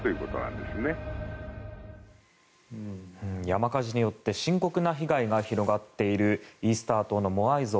山火事によって深刻な被害が広がっているイースター島のモアイ像。